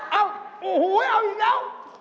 โอ้โหเอาอีกแล้ว